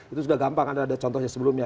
itu sudah gampang anda ada contohnya sebelumnya